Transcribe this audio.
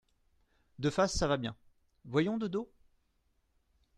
De face, ça va bien ; voyons de dos.